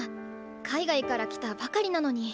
海外から来たばかりなのに。